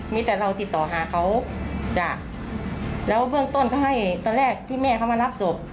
มีแต่เราติดต่อหาเขาจ้ะแล้วเบื้องต้นก็ให้ตอนแรกที่แม่เขามารับศพ